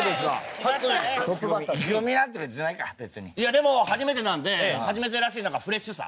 でも初めてなんで初めてらしいなんかフレッシュさ？